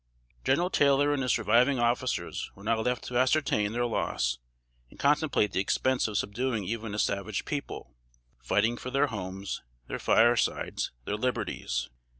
General Taylor and his surviving officers were now left to ascertain their loss, and contemplate the expense of subduing even a savage people, fighting for their homes, their firesides, their liberties.